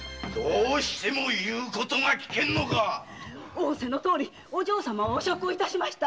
おおせのとおりお嬢様はお酌をいたしました。